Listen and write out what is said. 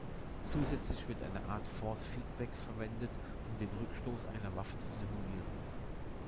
Zusätzlich wird eine Art Force Feedback verwendet, um den Rückstoß einer Waffe zu simulieren.